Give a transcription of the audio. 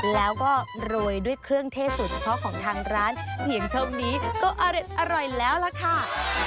แล้วก็โรยด้วยเครื่องเทศสูตรเฉพาะของทางร้านเพียงเท่านี้ก็อร่อยแล้วล่ะค่ะ